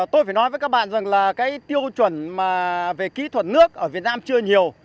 tôi phải nói với các bạn rằng là cái tiêu chuẩn về kỹ thuật nước ở việt nam chưa nhiều